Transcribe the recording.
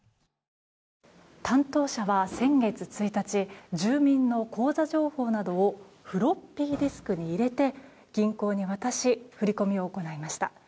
担当者は先月１日住民の口座情報などをフロッピーディスクに入れて銀行に渡し振り込みを行いました。